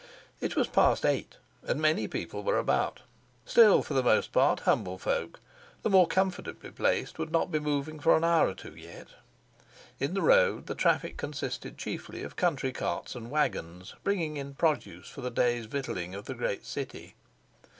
It was past eight, and many people were about, still for the most part humble folk; the more comfortably placed would not be moving for an hour or two yet. In the road the traffic consisted chiefly of country carts and wagons, bringing in produce for the day's victualling of the great city.